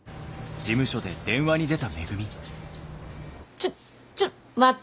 ちょちょっと待って。